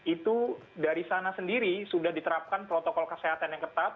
itu dari sana sendiri sudah diterapkan protokol kesehatan yang ketat